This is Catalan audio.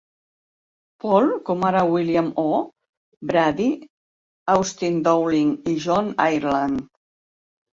Paul, como ara William O. Brady, Austin Dowling i John Ireland.